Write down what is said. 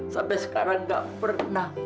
sampai sekarang nggak pernah